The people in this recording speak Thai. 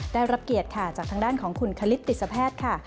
ได้รับเกียรติค่ะจากทางด้านของคุณคลิตติสแพทย์ค่ะ